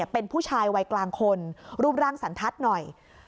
เป็นผู้ชายวัยกลางคนรูปร่างสันทัศน์หน่อย